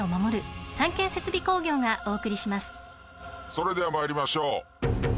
それでは参りましょう。